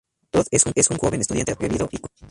Tod es un joven estudiante atrevido y cómico.